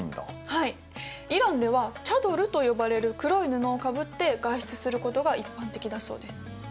はいイランではチャドルと呼ばれる黒い布をかぶって外出することが一般的だそうです。